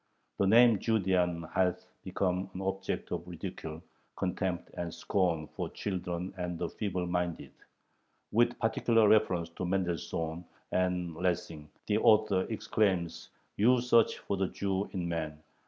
The name 'Judean' hath become an object of ridicule, contempt, and scorn for children and the feeble minded." With particular reference to Mendelssohn and Lessing the author exclaims: "You search for the Jew in man.